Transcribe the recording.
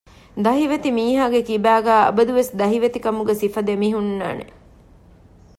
ދަހިވެތި މީހާގެކިބާގައި އަބަދުވެސް ދަހިވެތިކަމުގެ ސިފަ ދެމިހުންނާނެ